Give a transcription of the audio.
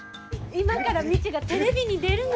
今から未知がテレビに出るの。